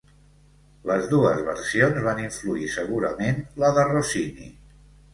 Les dues versions van influir segurament la de Rossini.